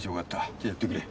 じゃあやってくれ。